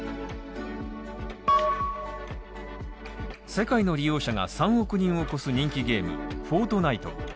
世界の利用者が３億人を超す人気ゲーム「フォートナイト」。